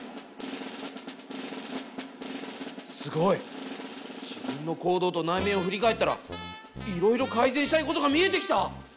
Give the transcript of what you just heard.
すごい！自分の行動と内面を振り返ったらいろいろ改善したいことが見えてきた！